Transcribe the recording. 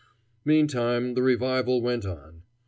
Meantime the revival went on.